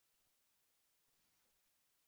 Axir oʻzingiz aytdingiz-ku – u endi kap-katta yigit!